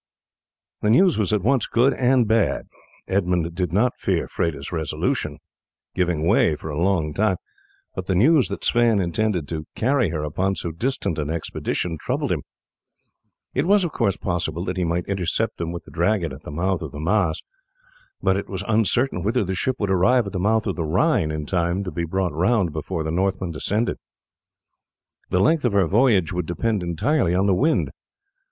The news was at once good and bad. Edmund did not fear Freda's resolution giving way for a long time, but the news that Sweyn intended to carry her upon so distant an expedition troubled him. It was of course possible that he might intercept them with the Dragon at the mouth of the Maas, but it was uncertain whether the ship would arrive at the mouth of the Rhine in time to be brought round before the Northmen descended. The length of her voyage would depend entirely on the wind.